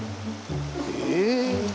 え？